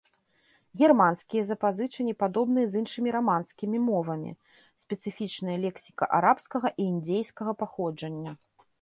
Германскія запазычанні падобныя з іншымі раманскімі мовамі, спецыфічная лексіка арабскага і індзейскага паходжання.